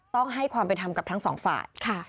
ต้องให้ความเป็นธรรมกับทั้งสองฝ่าย